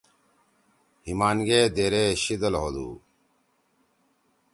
ہِمان گے دیرے شیِدَل ہودُو۔